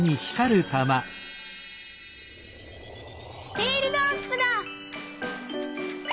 エールドロップだ！